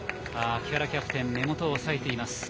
木原キャプテンが目元を押さえていました。